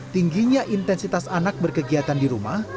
tingginya intensitas anak berkegiatan di rumah